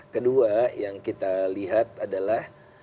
kedua yang kita lihat adalah